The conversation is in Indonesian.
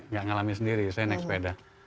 tidak mengalami sendiri saya sepeda g